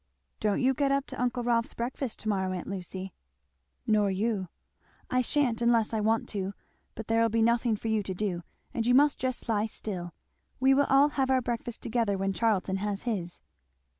"Don't you get up to uncle Rolf's breakfast to morrow, aunt Lucy." "Nor you." "I sha'n't unless I want to but there'll be nothing for you to do, and you must just lie still. We will all have our breakfast together when Charlton has his."